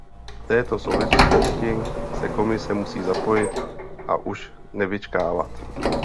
V této souvislosti se Komise musí zapojit a už nevyčkávat.